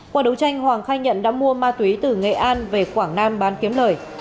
và khai nhận đã mua ma tuế từ nghệ an về quảng nam bán kiếm lời